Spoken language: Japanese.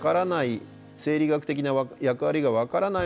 生理学的な役割が分からない